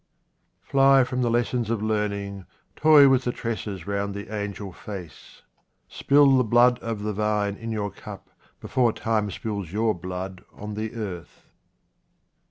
Fly from the lessons of learning, toy with the tresses round the angel face, spill the blood of the vine in your cup before time spills your blood on the earth.